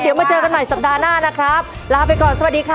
เดี๋ยวมาเจอกันใหม่สัปดาห์หน้านะครับลาไปก่อนสวัสดีค่ะ